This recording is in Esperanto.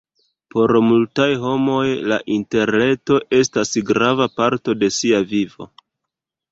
Por multaj homoj la interreto estas grava parto de sia vivo.